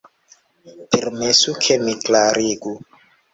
Permesu, ke mi klarigu.